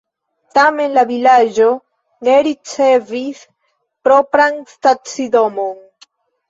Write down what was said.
Tamen la vilaĝo ne ricevis propran stacidomon.